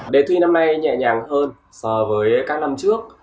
đề thi năm nay nhẹ nhàng hơn so với các năm trước